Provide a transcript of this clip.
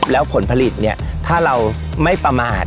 แล้วผลผลิตเนี่ยถ้าเราไม่ประมาท